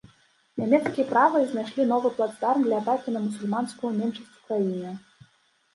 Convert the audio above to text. Нямецкія правыя знайшлі новы плацдарм для атакі на мусульманскую меншасць у краіне.